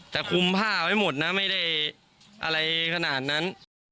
แต่คุมผ้าไว้หมดนะไม่ได้อะไรขนาดนั้น